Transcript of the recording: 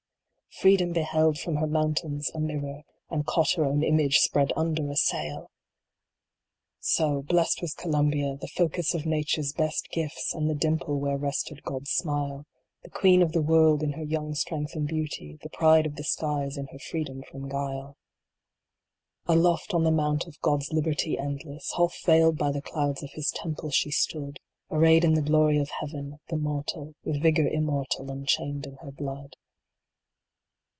Freedom beheld, from her mountains, a mirror, And caught her own image spread under a sail ! 92 PRO P ATRIA. So, blest was Columbia ; the focus of Nature s Best gifts, and the dimple where rested God s smile ; The Queen of the World in her young strength and beauty, The pride of the skies in her freedom from guile. Aloft on the mount of God s liberty endless, Half veiled by the clouds of His temple she stood, Arrayed in the glory of Heaven, the mortal, With vigor Immortal unchained in her blood.